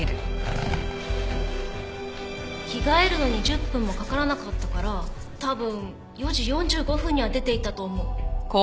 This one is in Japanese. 着替えるのに１０分もかからなかったから多分４時４５分には出て行ったと思う。